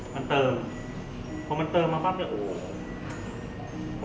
มันประกอบกันแต่ว่าอย่างนี้แห่งที่